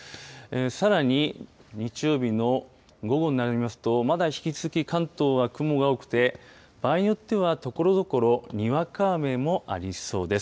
さらに日曜日の午後になりますと、まだ引き続き、関東は雲が多くて、場合によってはところどころ、にわか雨もありそうです。